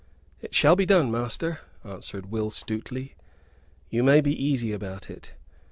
"It shall be done, master," answered Will Stuteley; "you may be easy about it.